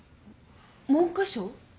文科省？